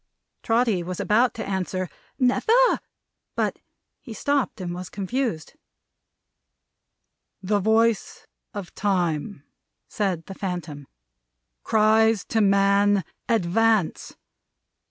Trotty was about to answer "Never!" But he stopped and was confused. "The voice of Time," said the Phantom, "cries to man, Advance!